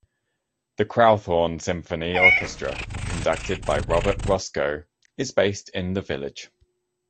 The Crowthorne Symphony Orchestra, conducted by Robert Roscoe, is based in the village.